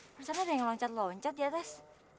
macam mana ada yang loncat loncat di atas